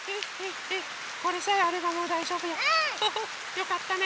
よかったね。